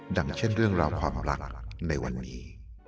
อย่างเช่นเรื่องราวความรักในวันนี้